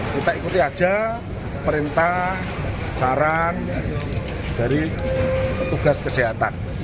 kita ikuti aja perintah saran dari petugas kesehatan